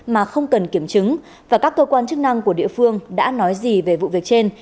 mà không cần kiểm chứng và các cơ quan chức năng của địa phương đã nói gì về vụ việc trên